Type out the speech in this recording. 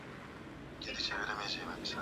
haijathibitisha lakini Anthemius alilipiza kisasi